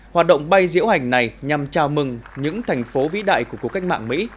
hoạt động bay diễu hành này nhằm chào mừng những thành phố vĩ đại của cuộc cách mạng mỹ